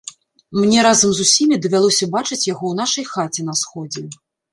Мне разам з усімі давялося бачыць яго ў нашай хаце на сходзе.